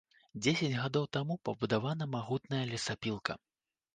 Дзесяць гадоў таму пабудавана магутная лесапілка.